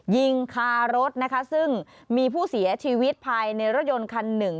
ยิงคารถนะคะซึ่งมีผู้เสียชีวิตภายในรถยนต์คันหนึ่ง